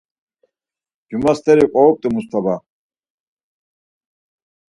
Cuma steri oromt̆u Mustavas.